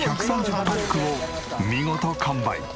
１３０パックを見事完売。